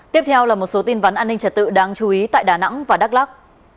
tiếp theo là một số tin vấn an ninh trật tự đáng chú ý tại đà nẵng và đắk lắc